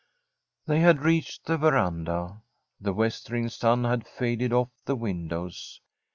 They had reached the veranda. The westering sun had faded off the windows.